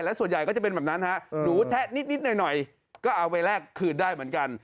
และส่วนใหญ่ก็จะเป็นแบบนั้นฮะหนูแทะนิดหน่อยก็เอาไปแลกคืนได้เหมือนกัน